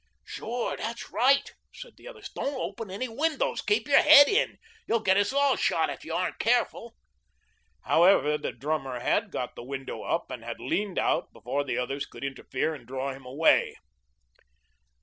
"Sure, that's right," said the others. "Don't open any windows. Keep your head in. You'll get us all shot if you aren't careful." However, the drummer had got the window up and had leaned out before the others could interfere and draw him away.